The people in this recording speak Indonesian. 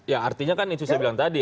ya artinya kan itu saya bilang tadi